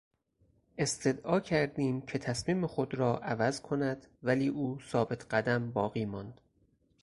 استدعا کردیم که تصمیم خود را عوض کند ولی او ثابت قدم باقی ماند.